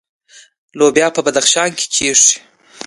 لوبیې په بدخشان کې کیږي